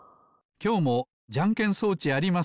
きょうもじゃんけん装置あります。